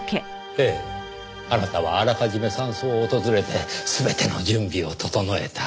あなたはあらかじめ山荘を訪れて全ての準備を整えた。